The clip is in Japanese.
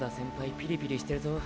ピリピリしてるぞ。